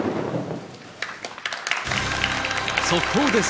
速報です。